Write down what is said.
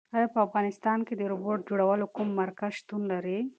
ایا په افغانستان کې د روبوټ جوړولو کوم مرکز شتون لري؟